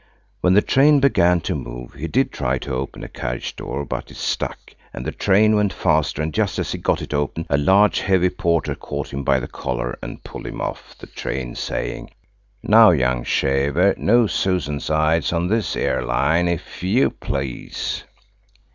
When the train began to move he did try to open a carriage door but it stuck, and the train went faster, and just as he got it open a large heavy porter caught him by the collar and pulled him off the train, saying– "Now, young shaver, no susansides on this ere line, if you please."